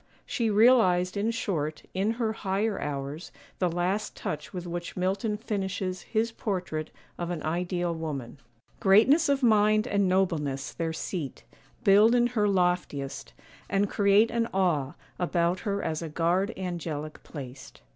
She realized, in short, in her higher hours, the last touch with which Milton finishes his portrait of an ideal woman:— 'Greatness of mind and nobleness, their seat Build in her loftiest, and create an awe About her as a guard angelic placed.